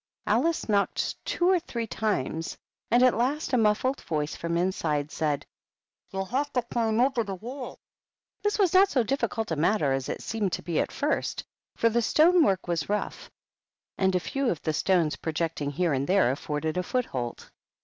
Alice knocked two or three times, and at last a muffled voice from inside said, " You'll have to climb over the wall !" This was not so difficult a matter as it seemed to be at first, for the stonework was rough, and a few of the stones projecting here and there afforded a foothold.